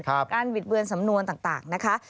บิดเบือนสำนวนต่างนะคะ